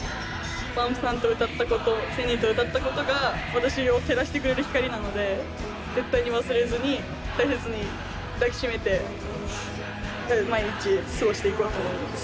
ＢＵＭＰさんと歌ったこと１，０００人と歌ったことが私を照らしてくれる光なので絶対に忘れずに大切に抱き締めて毎日過ごしていこうと思います。